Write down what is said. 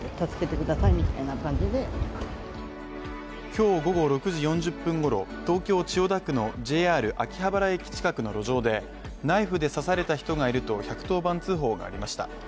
今日午後６時４０分ごろ、東京・千代田区のＪＲ秋葉原駅近くの路上でナイフで刺された人がいると１１０番通報がありました。